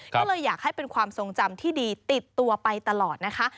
ก็เลยอยากให้เป็นความทรงจำที่ดีติดตัวไปตลอดนะคะ